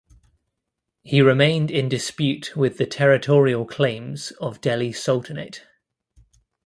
He remained in dispute with the territorial claims of Delhi Sultanate.